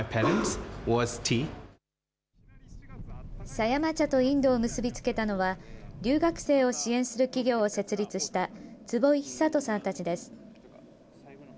狭山茶とインドを結びつけたのは、留学生を支援する企業を設立した坪井久人さんたちです。